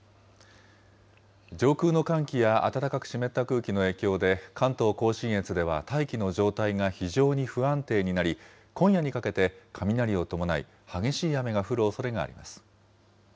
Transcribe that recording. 上空の寒気や暖かく湿った空気の影響で、関東甲信越では大気の状態が非常に不安定になり、今夜にかけて雷を伴い、激しい雨が降るおそれがあります。